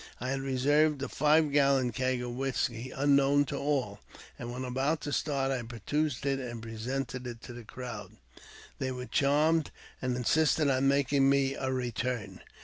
I had reserved a five gallon keg of whisky unknown to all, and when about to start I produced it and presented it to the S82 AUTOBIOGRAPHY OF crowd. They were charmed, and insisted on making me a retm'n.